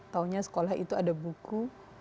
taunya sekolah itu ada buku